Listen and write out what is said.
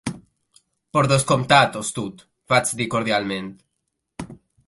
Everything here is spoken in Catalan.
"Per descomptat, astut" vaig dir cordialment.